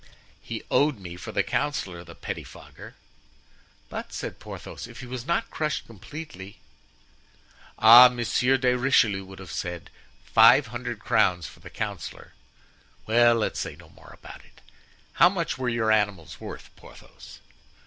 "He owed me for the councillor, the pettifogger!" "But," said Porthos, "if he was not crushed completely——" "Ah! Monsieur de Richelieu would have said, 'Five hundred crowns for the councillor.' Well, let's say no more about it. How much were your animals worth, Porthos?"